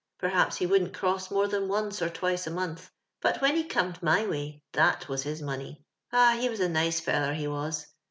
l*erliaps he wouldn't cross more tlian once or iwiiio a montli, but when he conied my way that was his money. Ah ! he was a nice feller, he was.